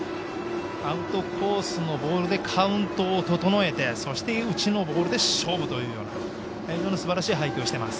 アウトコースのボールでカウントを整えてそして、内のボールで勝負というようなすばらしい配球をしています。